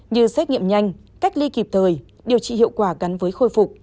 như xét nghiệm nhanh cách ly kịp thời điều trị hiệu quả gắn với khôi phục